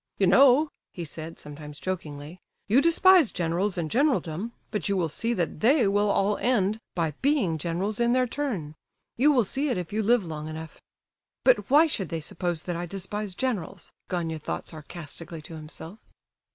"You know," he said sometimes, jokingly, "you despise generals and generaldom, but you will see that 'they' will all end by being generals in their turn. You will see it if you live long enough!" "But why should they suppose that I despise generals?" Gania thought sarcastically to himself.